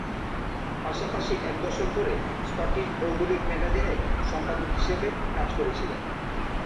পাশাপাশি এক দশক ধরে "স্কটিশ ভৌগোলিক ম্যাগাজিনের" সম্পাদক হিসাবে কাজ করেছিলেন।